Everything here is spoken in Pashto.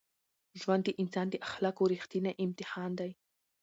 ژوند د انسان د اخلاقو رښتینی امتحان دی.